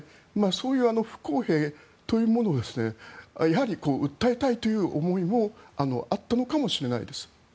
そういう不公平というものをやはり訴えたいという思いもあったのかもしれないです。